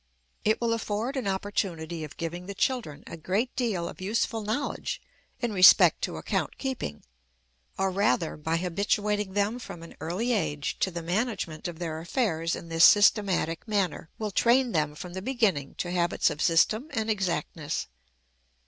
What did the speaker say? It will afford an opportunity of giving the children a great deal of useful knowledge in respect to account keeping or, rather, by habituating them from an early age to the management of their affairs in this systematic manner, will train them from the beginning to habits of system and exactness.